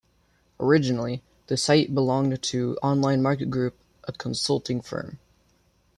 Originally, the site belonged to Online Market Group, a consulting firm.